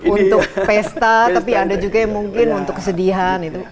untuk pesta tapi ada juga mungkin untuk kesedihan